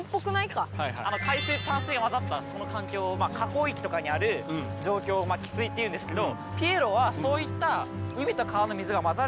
海水と淡水が混ざったその環境をまぁ河口域とかにある状況を汽水っていうんですけど。